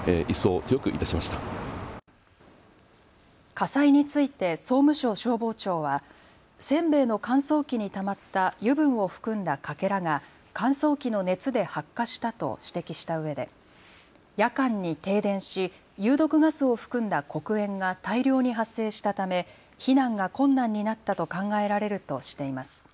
火災について総務省消防庁はせんべいの乾燥機にたまった油分を含んだかけらが乾燥機の熱で発火したと指摘したうえで夜間に停電し有毒ガスを含んだ黒煙が大量に発生したため避難が困難になったと考えられるとしています。